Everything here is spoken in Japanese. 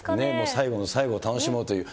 最後の最後、楽しもうという。